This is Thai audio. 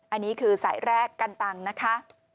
อันนี้คือสายแรกกันตังนะคะ